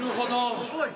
すごい。